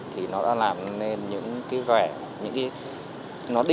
thì nó đã làm nên những cái vẻ những cái